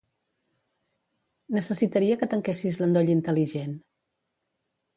Necessitaria que tanquessis l'endoll intel·ligent.